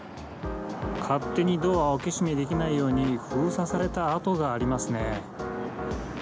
勝手にドアを開け閉めできないように、封鎖された跡がありますね。